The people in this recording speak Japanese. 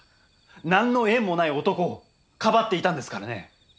何の縁もない男をかばっていたんですからね。